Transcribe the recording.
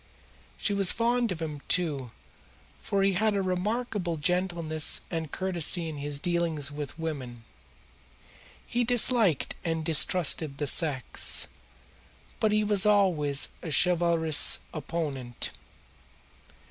She was fond of him, too, for he had a remarkable gentleness and courtesy in his dealings with women. He disliked and distrusted the sex, but he was always a chivalrous opponent.